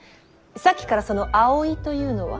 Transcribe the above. さっきからその葵というのは。